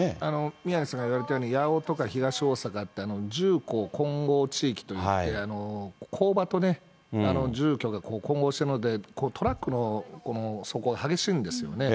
宮根さんが言われたように、八尾とか東大阪って、混合地域といって工場と住居が混合してるので、トラックの走行が激しいんですよね。